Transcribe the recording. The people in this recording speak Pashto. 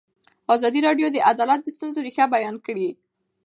ازادي راډیو د عدالت د ستونزو رېښه بیان کړې.